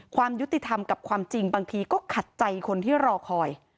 ความยุติธรรมกับความจริงบางทีก็ขัดใจคนที่รอคอย